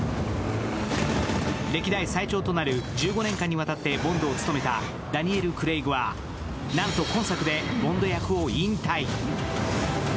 歴代最長となる１５年間にわたってボンドを務めたダニエル・クレイグはなんと今作でボンド役を引退。